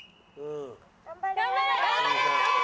頑張れ！